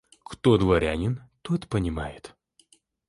Кто дворянин, тот понимает.